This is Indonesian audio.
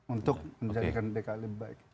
untuk menjaga keahlian